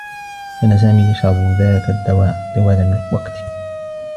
كان سامي يشرب ذاك الدّواء طوال الوقت.